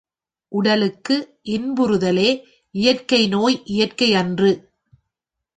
உடலுக்கு, இன்புறுதலே இயற்கை நோய் இயற்கையன்று.